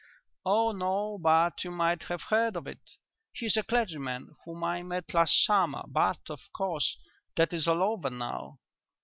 "Oh no, but you might have heard of it. He is a clergyman whom I met last summer. But, of course, that is all over now."